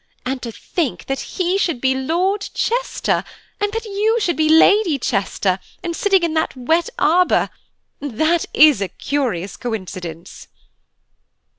And to think that he should be Lord Chester–and that you should be Lady Chester, and sitting in that wet arbour! That is a curious coincidence!"